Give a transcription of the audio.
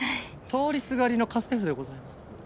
通りすがりの家政夫でございます。